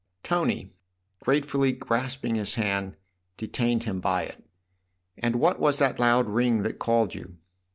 Tony, gratefully grasping his hand, detained him by it. " And what was that loud ring that called you